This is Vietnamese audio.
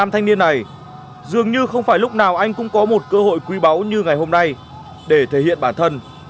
trên tinh thần thì là mình đã cố gắng hết mình